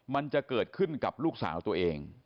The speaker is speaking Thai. มันจะเกิดขึ้นกับลูกสาวตัวเอง